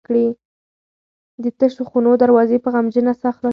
د تشو خونو دروازې په غمجنه ساه خلاصیږي.